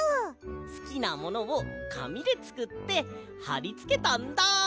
すきなものをかみでつくってはりつけたんだ！